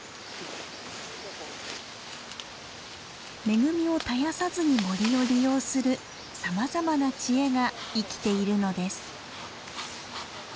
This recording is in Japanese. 恵みを絶やさずに森を利用するさまざまな知恵が生きているのです。